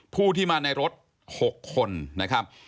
ผู้ที่มาในรถ๖คนนะครับ